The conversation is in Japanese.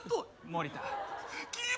森田？